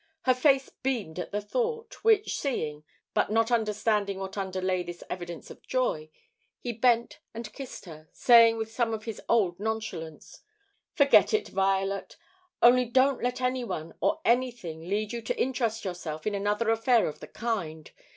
Her face beamed at the thought, which seeing, but not understanding what underlay this evidence of joy, he bent and kissed her, saying with some of his old nonchalance: "Forget it, Violet; only don't let any one or anything lead you to interest yourself in another affair of the kind.